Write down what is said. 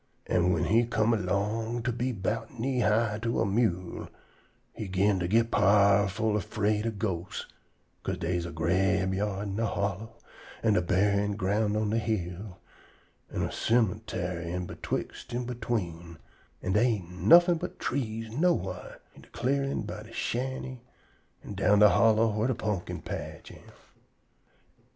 An' whin he come erlong to be 'bout knee high to a mewel, he 'gin to git powerful 'fraid ob ghosts, 'ca'se dey's a grabeyard in de hollow, an' a buryin' ground on de hill, an' a cemuntary in betwixt an' between, an' dey ain't nuffin' but trees nowhar in de clearin' by de shanty an' down de hollow whar de pumpkin patch am.